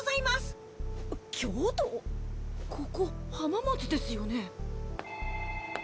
ここ浜松ですよね？